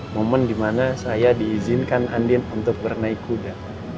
momen di mana saya diizinkan andin untuk bernaik kuda